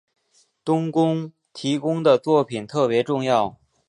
冬宫提供的作品特别重要。